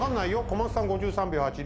小松さん５３秒８。